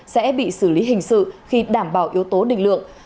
sẽ bị xử lý hình sự khi đảm bảo yếu tố định lượng